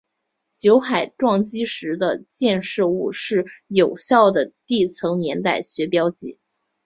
酒海撞击时的溅射物是有效的地层年代学标记。